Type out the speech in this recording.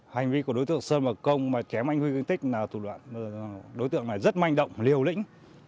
hành vi của đối tượng sơn và công mà chém anh huy thương tích là thủ đoạn đối tượng này rất manh động liều lĩnh